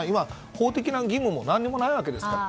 法的な義務も何もないわけですから。